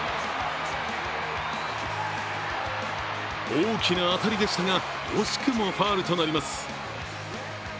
大きな当たりでしたが、惜しくもファウルとなります。